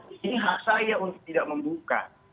ini hak saya untuk tidak membuka